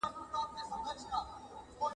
مرګ ماته د یوې نږدې ژمنې په څېر ښکاري.